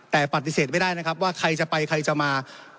แต่ปฏิเสธไม่ได้นะครับว่าใครจะไปใครจะมา